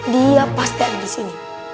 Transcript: dia pasti ada di sini